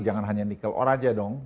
jangan hanya nikel or aja dong